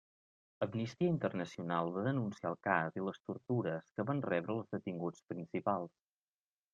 Amnistia Internacional va denunciar el cas i les tortures que van rebre els detinguts principals.